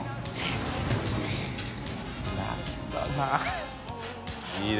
夏だな